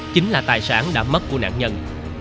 chính là tài sản đã mất của nạn nhân